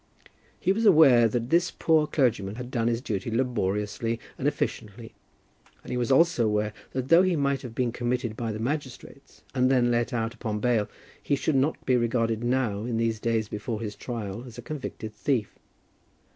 He was aware that this poor clergyman had done his duty laboriously and efficiently, and he was also aware that though he might have been committed by the magistrates, and then let out upon bail, he should not be regarded now, in these days before his trial, as a convicted thief.